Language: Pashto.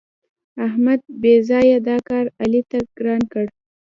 احمد بېځآیه دا کار علي ته ګران کړ.